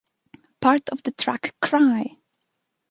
Part of the track Cry!